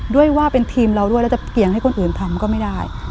ด้วยว่าเป็นทีมเราด้วยแล้วจะเกี่ยงให้คนอื่นทำก็ไม่ได้